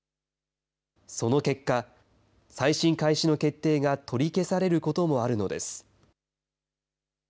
その結果、再審開始の決定が取り消されることもあるのです。